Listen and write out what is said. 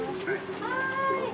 はい。